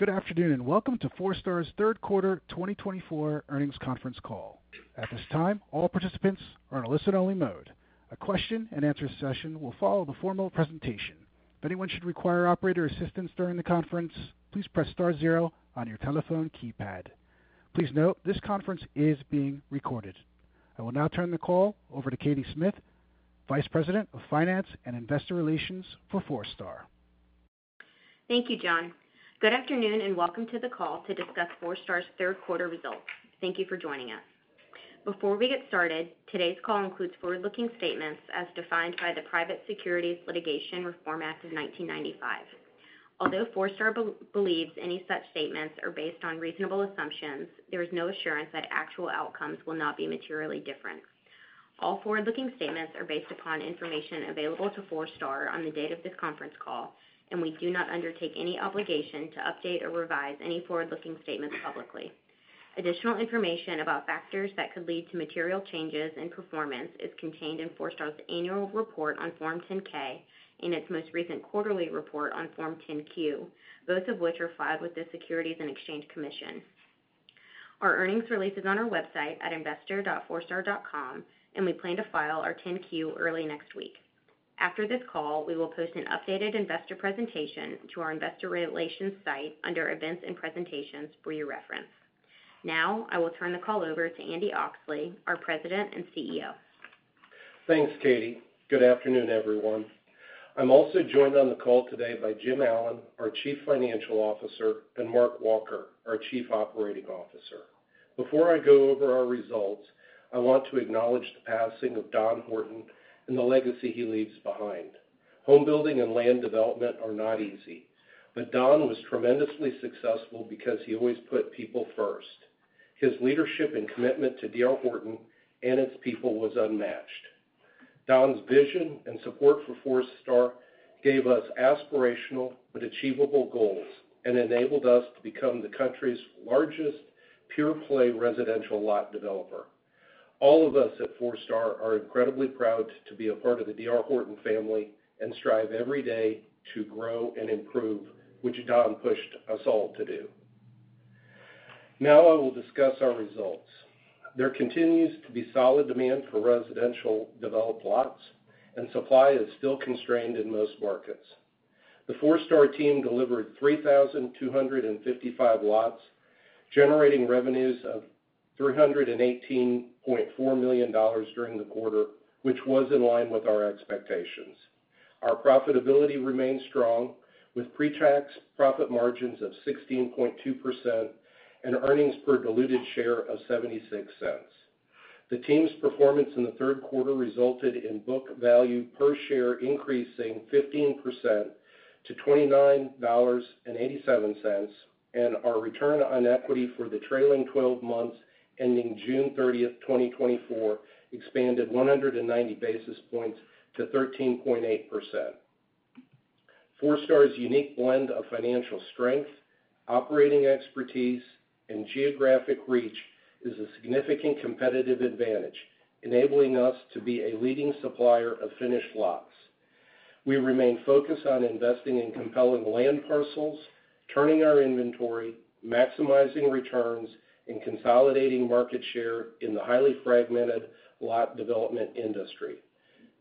Good afternoon, and welcome to Forestar's third quarter 2024 earnings conference call. At this time, all participants are on a listen-only mode. A question-and-answer session will follow the formal presentation. If anyone should require operator assistance during the conference, please press star zero on your telephone keypad. Please note, this conference is being recorded. I will now turn the call over to Katie Smith, Vice President of Finance and Investor Relations for Forestar. Thank you, John. Good afternoon, and welcome to the call to discuss Forestar's third quarter results. Thank you for joining us. Before we get started, today's call includes forward-looking statements as defined by the Private Securities Litigation Reform Act of 1995. Although Forestar believes any such statements are based on reasonable assumptions, there is no assurance that actual outcomes will not be materially different. All forward-looking statements are based upon information available to Forestar on the date of this conference call, and we do not undertake any obligation to update or revise any forward-looking statements publicly. Additional information about factors that could lead to material changes in performance is contained in Forestar's annual report on Form 10-K and its most recent quarterly report on Form 10-Q, both of which are filed with the Securities and Exchange Commission. Our earnings release is on our website at investor.forestar.com, and we plan to file our 10-Q early next week. After this call, we will post an updated investor presentation to our investor relations site under Events and Presentations for your reference. Now, I will turn the call over to Andy Oxley, our President and CEO. Thanks, Katie. Good afternoon, everyone. I'm also joined on the call today by Jim Allen, our Chief Financial Officer, and Mark Walker, our Chief Operating Officer. Before I go over our results, I want to acknowledge the passing of Don Horton and the legacy he leaves behind. Home building and land development are not easy, but Don was tremendously successful because he always put people first. His leadership and commitment to D.R. Horton and its people was unmatched. Don's vision and support for Forestar gave us aspirational but achievable goals and enabled us to become the country's largest pure-play residential lot developer. All of us at Forestar are incredibly proud to be a part of the D.R. Horton family and strive every day to grow and improve, which Don pushed us all to do. Now I will discuss our results. There continues to be solid demand for residential developed lots, and supply is still constrained in most markets. The Forestar team delivered 3,255 lots, generating revenues of $318.4 million during the quarter, which was in line with our expectations. Our profitability remains strong, with pretax profit margins of 16.2% and earnings per diluted share of $0.76. The team's performance in the third quarter resulted in book value per share increasing 15% to $29.87, and our return on equity for the trailing twelve months, ending June 30, 2024, expanded 190 basis points to 13.8%. Forestar's unique blend of financial strength, operating expertise, and geographic reach is a significant competitive advantage, enabling us to be a leading supplier of finished lots. We remain focused on investing in compelling land parcels, turning our inventory, maximizing returns, and consolidating market share in the highly fragmented lot development industry.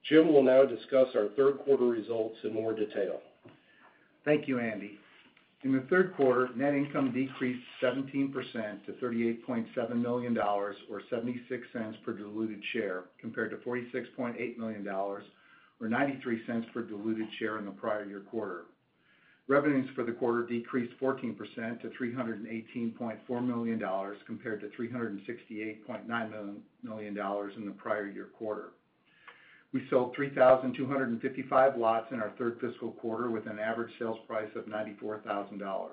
Jim will now discuss our third quarter results in more detail. Thank you, Andy. In the third quarter, net income decreased 17% to $38.7 million, or $0.76 per diluted share, compared to $46.8 million, or $0.93 per diluted share in the prior year quarter. Revenues for the quarter decreased 14% to $318.4 million, compared to $368.9 million in the prior year quarter. We sold 3,255 lots in our third fiscal quarter, with an average sales price of $94,000.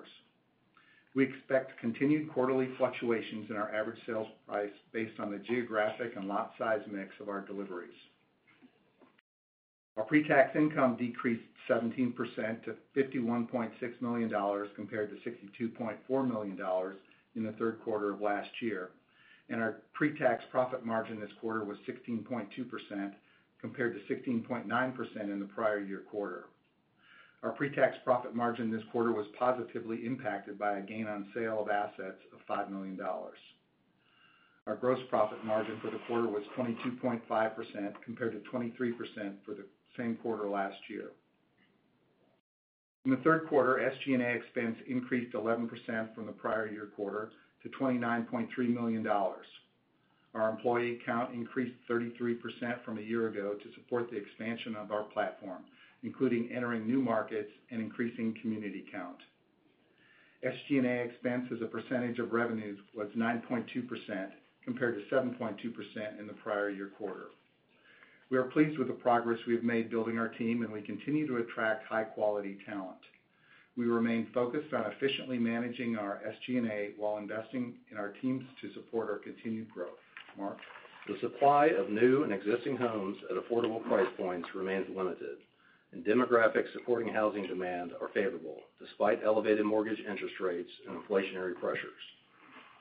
We expect continued quarterly fluctuations in our average sales price based on the geographic and lot size mix of our deliveries. Our pretax income decreased 17% to $51.6 million, compared to $62.4 million in the third quarter of last year, and our pretax profit margin this quarter was 16.2%, compared to 16.9% in the prior year quarter. Our pretax profit margin this quarter was positively impacted by a gain on sale of assets of $5 million. Our gross profit margin for the quarter was 22.5%, compared to 23% for the same quarter last year. In the third quarter, SG&A expense increased 11% from the prior year quarter to $29.3 million. Our employee count increased 33% from a year ago to support the expansion of our platform, including entering new markets and increasing community count. SG&A expense as a percentage of revenues was 9.2%, compared to 7.2% in the prior year quarter. We are pleased with the progress we have made building our team, and we continue to attract high-quality talent. We remain focused on efficiently managing our SG&A while investing in our teams to support our continued growth. Mark? The supply of new and existing homes at affordable price points remains limited, and demographics supporting housing demand are favorable, despite elevated mortgage interest rates and inflationary pressures.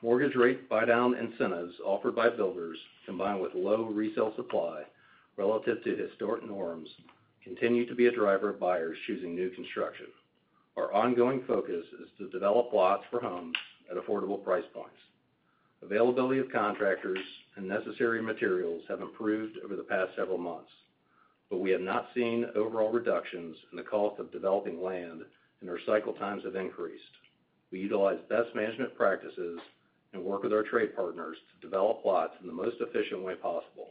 Mortgage rate buydown incentives offered by builders, combined with low resale supply relative to historic norms, continue to be a driver of buyers choosing new construction. Our ongoing focus is to develop lots for homes at affordable price points. Availability of contractors and necessary materials have improved over the past several months, but we have not seen overall reductions in the cost of developing land, and our cycle times have increased. We utilize best management practices and work with our trade partners to develop lots in the most efficient way possible.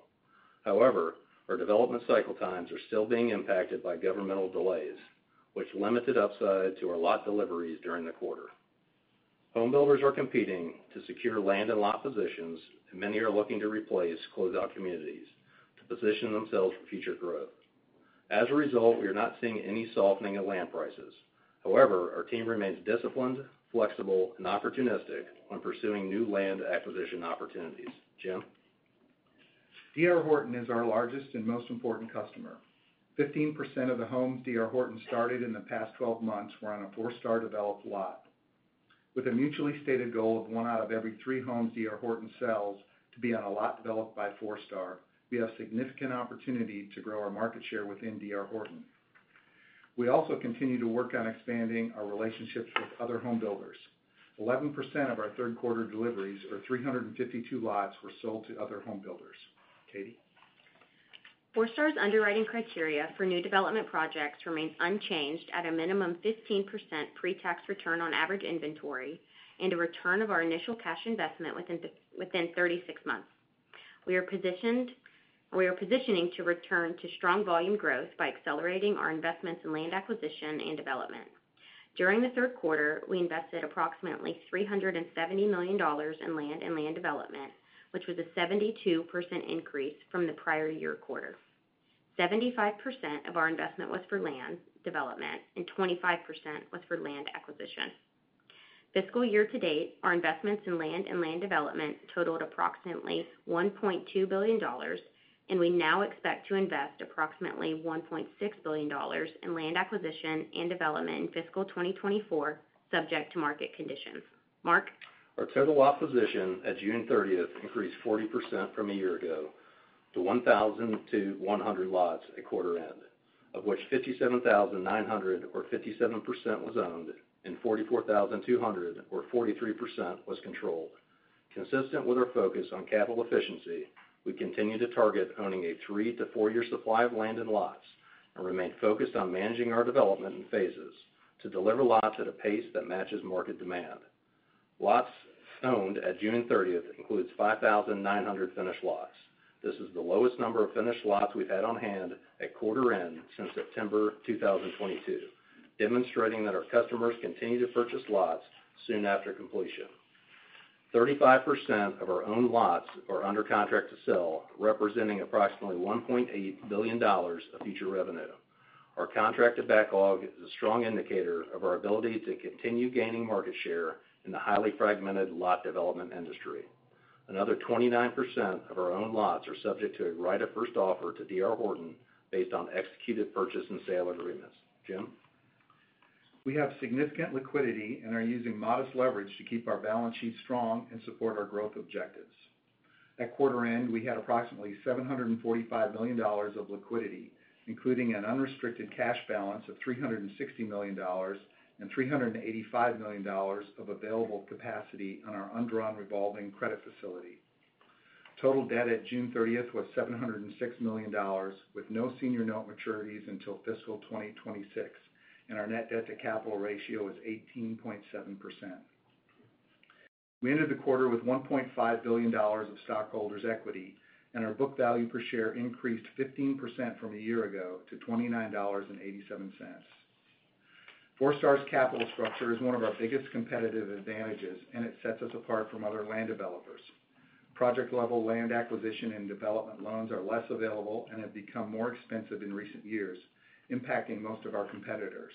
However, our development cycle times are still being impacted by governmental delays, which limited upside to our lot deliveries during the quarter. Home builders are competing to secure land and lot positions, and many are looking to replace closed-out communities to position themselves for future growth. As a result, we are not seeing any softening of land prices. However, our team remains disciplined, flexible, and opportunistic when pursuing new land acquisition opportunities. Jim? D.R. Horton is our largest and most important customer. 15% of the homes D.R. Horton started in the past 12 months were on a Forestar-developed lot. With a mutually stated goal of one out of every three homes D.R. Horton sells to be on a lot developed by Forestar, we have significant opportunity to grow our market share within D.R. Horton. We also continue to work on expanding our relationships with other home builders. 11% of our third quarter deliveries, or 352 lots, were sold to other home builders. Katie? Forestar's underwriting criteria for new development projects remains unchanged at a minimum 15% pretax return on average inventory and a return of our initial cash investment within within thirty-six months. We are positioning to return to strong volume growth by accelerating our investments in land acquisition and development. During the third quarter, we invested approximately $370 million in land and land development, which was a 72% increase from the prior year quarter. 75% of our investment was for land development, and 25% was for land acquisition. Fiscal year to date, our investments in land and land development totaled approximately $1.2 billion, and we now expect to invest approximately $1.6 billion in land acquisition and development in fiscal 2024, subject to market conditions. Mark? Our total lot position at June thirtieth increased 40% from a year ago to 102,100 lots at quarter end, of which 57,900, or 57%, was owned, and 44,200, or 43%, was controlled. Consistent with our focus on capital efficiency, we continue to target owning a three- to four-year supply of land and lots and remain focused on managing our development in phases to deliver lots at a pace that matches market demand. Lots owned at June 30th includes 5,900 finished lots. This is the lowest number of finished lots we've had on hand at quarter end since September 2022, demonstrating that our customers continue to purchase lots soon after completion. 35% of our owned lots are under contract to sell, representing approximately $1.8 billion of future revenue. Our contracted backlog is a strong indicator of our ability to continue gaining market share in the highly fragmented lot development industry. Another 29% of our owned lots are subject to a right of first offer to D.R. Horton based on executed purchase and sale agreements. Jim? We have significant liquidity and are using modest leverage to keep our balance sheet strong and support our growth objectives. At quarter end, we had approximately $745 million of liquidity, including an unrestricted cash balance of $360 million and $385 million of available capacity on our undrawn revolving credit facility. Total debt at June 30 was $706 million, with no senior note maturities until fiscal 2026, and our net debt to capital ratio is 18.7%. We ended the quarter with $1.5 billion of stockholders' equity, and our book value per share increased 15% from a year ago to $29.87. Forestar's capital structure is one of our biggest competitive advantages, and it sets us apart from other land developers. Project-level land acquisition and development loans are less available and have become more expensive in recent years, impacting most of our competitors.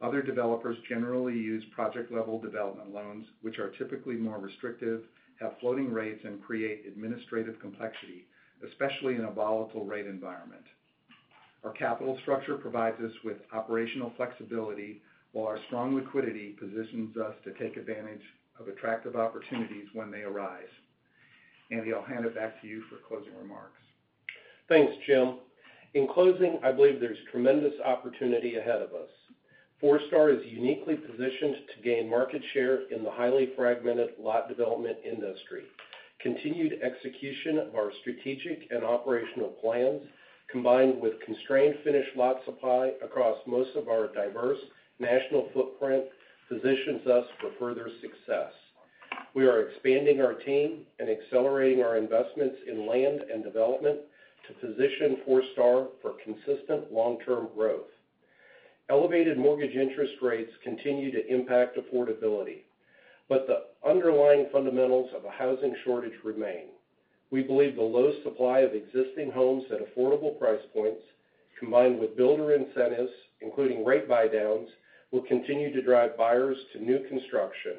Other developers generally use project-level development loans, which are typically more restrictive, have floating rates, and create administrative complexity, especially in a volatile rate environment. Our capital structure provides us with operational flexibility, while our strong liquidity positions us to take advantage of attractive opportunities when they arise. Andy, I'll hand it back to you for closing remarks. Thanks, Jim. In closing, I believe there's tremendous opportunity ahead of us. Forestar is uniquely positioned to gain market share in the highly fragmented lot development industry. Continued execution of our strategic and operational plans, combined with constrained finished lot supply across most of our diverse national footprint, positions us for further success. We are expanding our team and accelerating our investments in land and development to position Forestar for consistent long-term growth. Elevated mortgage interest rates continue to impact affordability, but the underlying fundamentals of a housing shortage remain. We believe the low supply of existing homes at affordable price points, combined with builder incentives, including rate buydowns, will continue to drive buyers to new construction,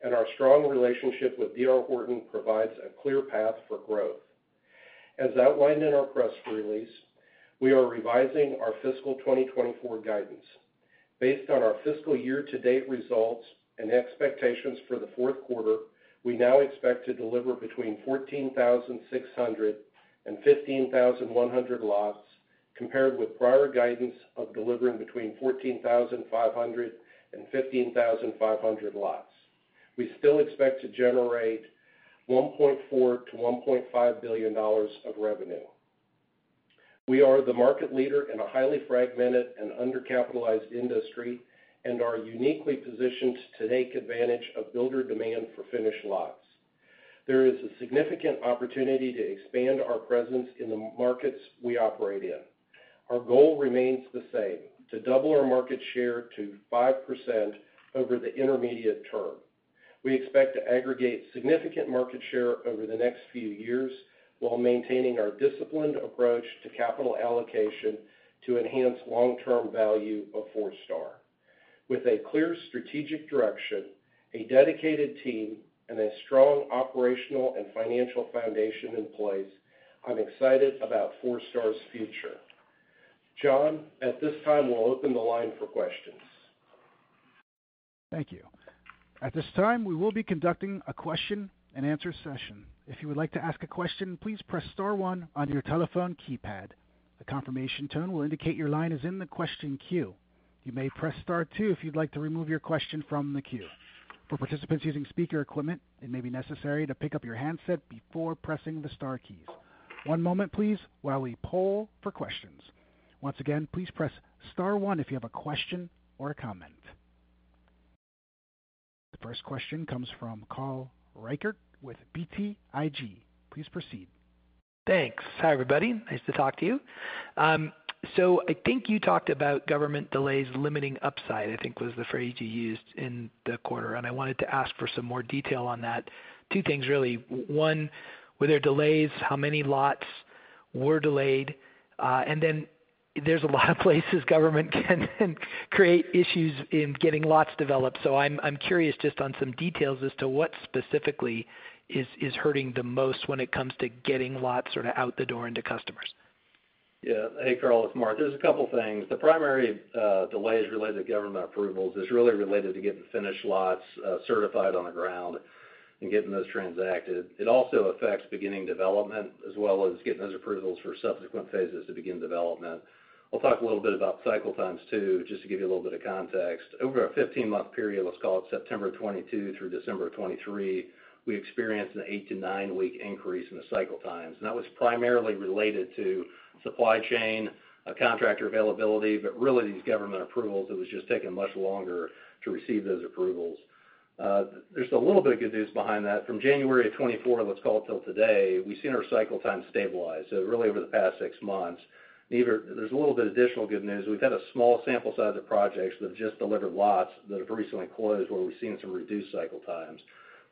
and our strong relationship with D.R. Horton provides a clear path for growth. As outlined in our press release, we are revising our fiscal 2024 guidance. Based on our fiscal year-to-date results and expectations for the fourth quarter, we now expect to deliver between 14,600 and 15,100 lots, compared with prior guidance of delivering between 14,500 and 15,500 lots. We still expect to generate $1.4 billion-$1.5 billion of revenue. We are the market leader in a highly fragmented and undercapitalized industry and are uniquely positioned to take advantage of builder demand for finished lots. There is a significant opportunity to expand our presence in the markets we operate in. Our goal remains the same, to double our market share to 5% over the intermediate term. We expect to aggregate significant market share over the next few years, while maintaining our disciplined approach to capital allocation to enhance long-term value of Forestar. With a clear strategic direction, a dedicated team, and a strong operational and financial foundation in place, I'm excited about Forestar's future. John, at this time, we'll open the line for questions. Thank you. At this time, we will be conducting a question-and-answer session. If you would like to ask a question, please press star one on your telephone keypad. A confirmation tone will indicate your line is in the question queue. You may press star two if you'd like to remove your question from the queue. For participants using speaker equipment, it may be necessary to pick up your handset before pressing the star keys. One moment please, while we poll for questions. Once again, please press star one if you have a question or a comment. The first question comes from Carl Reichardt with BTIG. Please proceed. Thanks. Hi, everybody. Nice to talk to you. So I think you talked about government delays limiting upside, I think was the phrase you used in the quarter, and I wanted to ask for some more detail on that. Two things, really. One, were there delays? How many lots were delayed? And then there's a lot of places government can create issues in getting lots developed. So I'm curious just on some details as to what specifically is hurting the most when it comes to getting lots sort of out the door into customers. Yeah. Hey, Carl, it's Mark. There's a couple things. The primary delay is related to government approvals. It's really related to getting finished lots certified on the ground and getting those transacted. It also affects beginning development, as well as getting those approvals for subsequent phases to begin development. I'll talk a little bit about cycle times, too, just to give you a little bit of context. Over a 15-month period, let's call it September 2022 through December 2023, we experienced an 8- to 9-week increase in the cycle times, and that was primarily related to supply chain contractor availability, but really, these government approvals, it was just taking much longer to receive those approvals. There's a little bit of good news behind that. From January 2024, let's call it till today, we've seen our cycle time stabilize. So really, over the past six months, there's a little bit of additional good news. We've had a small sample size of projects that have just delivered lots that have recently closed, where we've seen some reduced cycle times.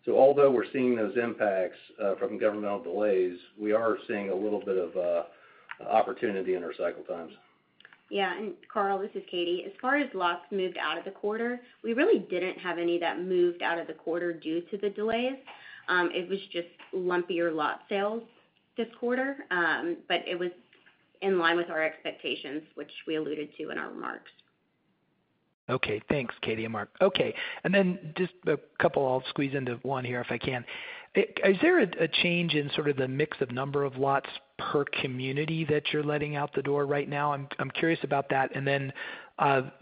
So although we're seeing those impacts from governmental delays, we are seeing a little bit of opportunity in our cycle times. Yeah, and Carl, this is Katie. As far as lots moved out of the quarter, we really didn't have any that moved out of the quarter due to the delays. It was just lumpier lot sales this quarter, but it was in line with our expectations, which we alluded to in our remarks. Okay. Thanks, Katie and Mark. Okay, and then just a couple I'll squeeze into one here, if I can. Is there a change in sort of the mix of number of lots per community that you're letting out the door right now? I'm curious about that. And then,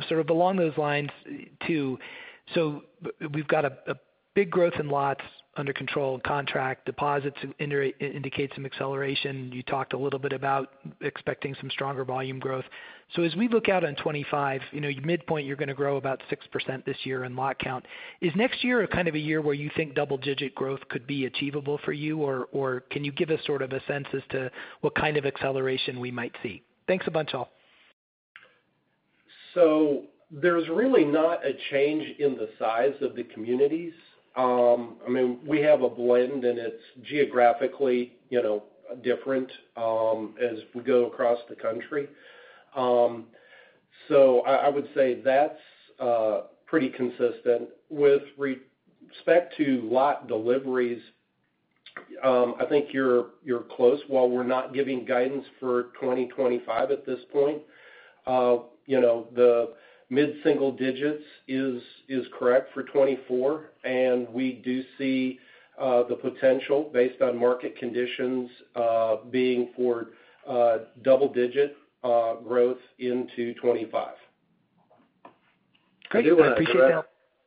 sort of along those lines, too, so we've got a big growth in lots under control and contract. Deposits indicate some acceleration. You talked a little bit about expecting some stronger volume growth. So as we look out on 2025, you know, midpoint, you're going to grow about 6% this year in lot count. Is next year a kind of a year where you think double-digit growth could be achievable for you, or can you give us sort of a sense as to what kind of acceleration we might see? Thanks a bunch, all. So there's really not a change in the size of the communities. I mean, we have a blend, and it's geographically, you know, different, as we go across the country. So I, I would say that's pretty consistent. With respect to lot deliveries, I think you're, you're close. While we're not giving guidance for 2025 at this point, you know, the mid-single digits is correct for 2024, and we do see the potential based on market conditions, being for double digit growth into 2025. Great. I appreciate that. I do want to address-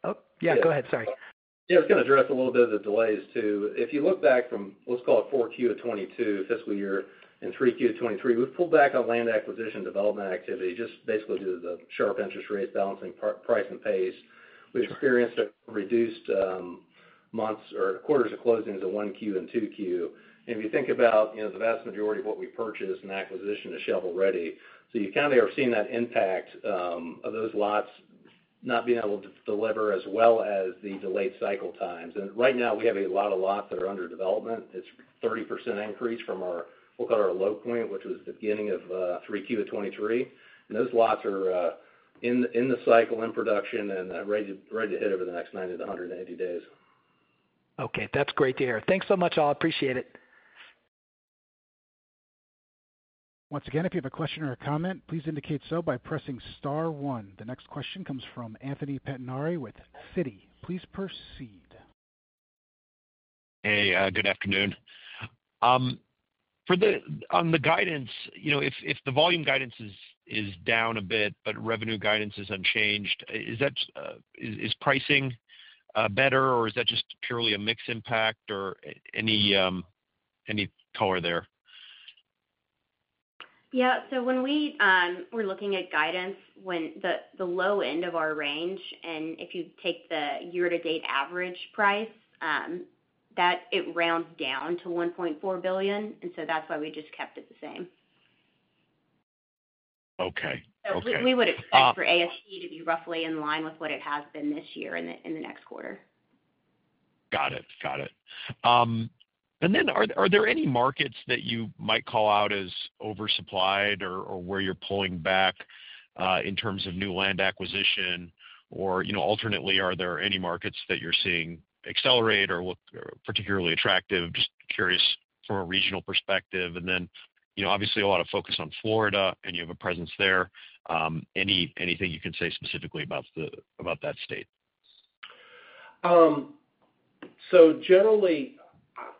Oh, yeah, go ahead. Sorry. Yeah, I was going to address a little bit of the delays, too. If you look back from, let's call it Q4 of 2022 fiscal year and Q3 of 2023, we've pulled back on land acquisition development activity, just basically due to the sharp interest rates balancing price and pace. We've experienced a reduced months or quarters of closings in Q1 and Q2. And if you think about, you know, the vast majority of what we purchase in acquisition is shovel-ready, so you kind of are seeing that impact of those lots not being able to deliver as well as the delayed cycle times. And right now, we have a lot of lots that are under development. It's 30% increase from our, we'll call it our low point, which was the beginning of Q3 of 2023. Those lots are in the cycle, in production, and ready to hit over the next 90-180 days. Okay, that's great to hear. Thanks so much, all. Appreciate it. Once again, if you have a question or a comment, please indicate so by pressing star one. The next question comes from Anthony Pettinari with Citi. Please proceed. Hey, good afternoon. On the guidance, you know, if the volume guidance is down a bit, but revenue guidance is unchanged, is that pricing better, or is that just purely a mix impact or any color there? Yeah. So when we're looking at guidance, when the low end of our range, and if you take the year-to-date average price, that it rounds down to $1.4 billion, and so that's why we just kept it the same. Okay. Okay. So we would expect for ASP to be roughly in line with what it has been this year in the next quarter. Got it. Got it. And then are there, are there any markets that you might call out as oversupplied or, or where you're pulling back in terms of new land acquisition? Or, you know, alternately, are there any markets that you're seeing accelerate or look particularly attractive? Just curious from a regional perspective, and then, you know, obviously, a lot of focus on Florida and you have a presence there. Anything you can say specifically about that state? So generally,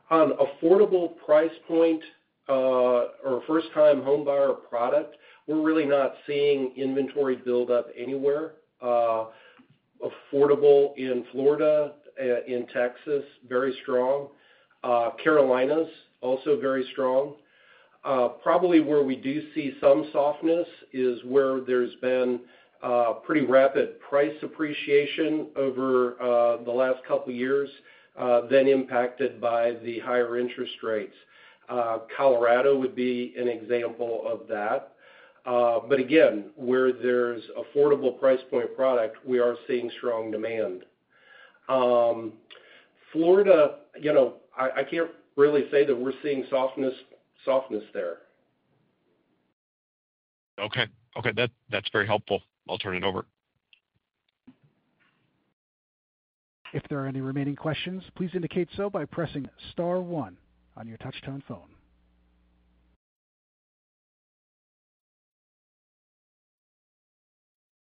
on affordable price point, or first-time homebuyer product, we're really not seeing inventory build up anywhere. Affordable in Florida, in Texas, very strong. Carolinas, also very strong. Probably where we do see some softness is where there's been pretty rapid price appreciation over the last couple of years, then impacted by the higher interest rates. Colorado would be an example of that. But again, where there's affordable price point product, we are seeing strong demand. Florida, you know, I can't really say that we're seeing softness, softness there. Okay. Okay, that, that's very helpful. I'll turn it over. If there are any remaining questions, please indicate so by pressing star one on your touchtone phone.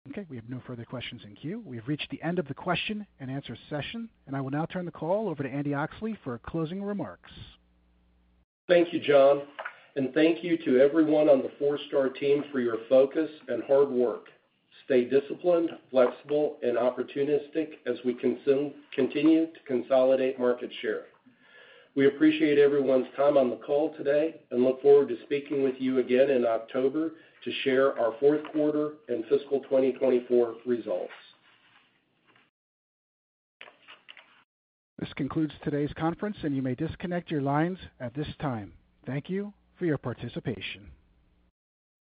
Okay, we have no further questions in queue. We've reached the end of the question-and-answer session, and I will now turn the call over to Andy Oxley for closing remarks. Thank you, John, and thank you to everyone on the Forestar team for your focus and hard work. Stay disciplined, flexible, and opportunistic as we continue to consolidate market share. We appreciate everyone's time on the call today and look forward to speaking with you again in October to share our fourth quarter and fiscal 2024 results. This concludes today's conference, and you may disconnect your lines at this time. Thank you for your participation.